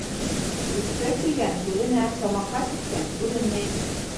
Өҫкә кейгән күренә, тамакҡа киткән күренмәй.